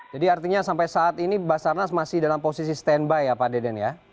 jadi artinya sampai saat ini basarnas masih dalam posisi standby ya pak deden ya